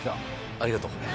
ありがとう。